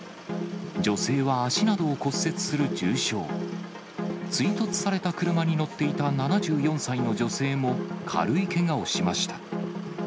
女性は足などを骨折する重傷、追突された車に乗っていた７４歳の女性も軽いけがをしました。